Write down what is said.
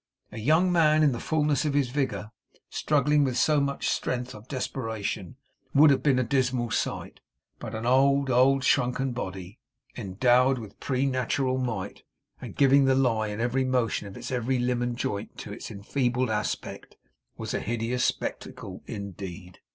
A young man in the fullness of his vigour, struggling with so much strength of desperation, would have been a dismal sight; but an old, old, shrunken body, endowed with preternatural might, and giving the lie in every motion of its every limb and joint to its enfeebled aspect, was a hideous spectacle indeed.